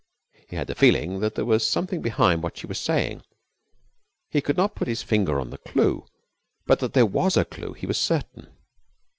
He had the feeling that there was something behind what she was saying. He could not put his finger on the clue, but that there was a clue he was certain.